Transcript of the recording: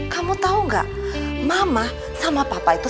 kamu tau gak mama sama papa tuh